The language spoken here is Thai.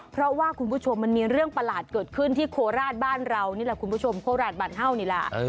เพราะว่าคุณผู้ชมมันมีเรื่องประหลาดเกิดขึ้นที่โคราชบ้านเรานี่แหละคุณผู้ชมโคราชบาดเห่านี่แหละ